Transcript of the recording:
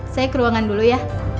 saya ke ruangan dulu ya